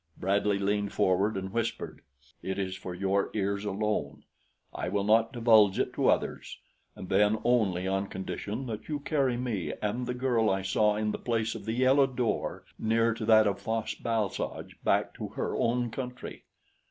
Bradley leaned forward and whispered: "It is for your ears alone; I will not divulge it to others, and then only on condition that you carry me and the girl I saw in the place of the yellow door near to that of Fosh bal soj back to her own country."